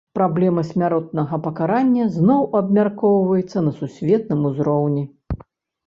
Праблема смяротнага пакарання зноў абмяркоўваецца на сусветным узроўні.